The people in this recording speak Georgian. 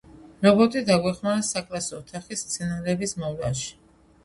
რობოტი დაგვეხმარა საკლასო ოთახის მცენარეების მოვლაში.